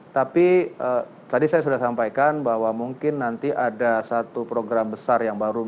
tapi tadi saya sudah sampaikan bahwa mungkin nanti ada satu program besar yang baru